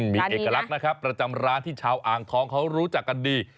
มีเอกลักษณ์นะครับประจำร้านที่ชาวอ่างทองเขารู้จักกันดี